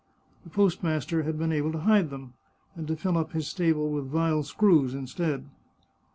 The postmaster had been able to hide them, and to fill up his stables with vile screws instead.